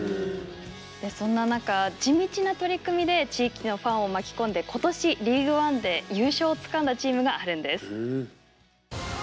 そんな中地道な取り組みで地域のファンを巻き込んで今年リーグワンで優勝をつかんだチームがあるんです。